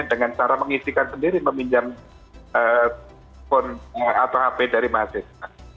dengan cara mengisikan sendiri meminjam atau hp dari mahasiswa